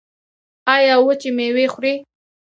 ایا وچې میوې خورئ؟